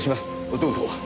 どうぞ。